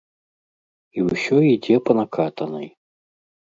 І ўсё ідзе па накатанай.